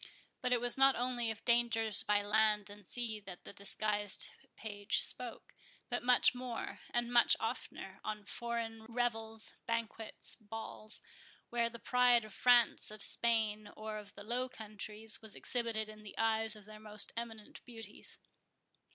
But it was not only of dangers by land and sea that the disguised page spoke; but much more, and much oftener, on foreign revels, banquets, balls, where the pride of France, of Spain, or of the Low Countries, was exhibited in the eyes of their most eminent beauties.